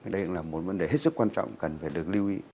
đây cũng là một vấn đề hết sức quan trọng cần phải được lưu ý